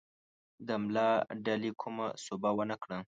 د ملا ډلې کومه سوبه ونه کړه.